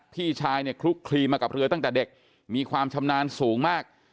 พี่ชายเนี่ยคลุกคลีมากับเรือตั้งแต่เด็กมีความชำนาญสูงมาก